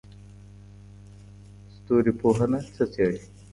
ستوري پوهنه څه څېړي؟